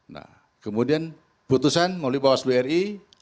nah kemudian putusan melalui bawah seluruh ri